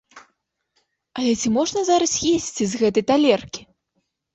Але ці можна зараз есці з гэтай талеркі?